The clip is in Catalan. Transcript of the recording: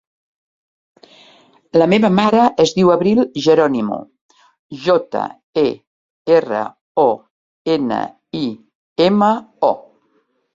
La meva mare es diu Abril Jeronimo: jota, e, erra, o, ena, i, ema, o.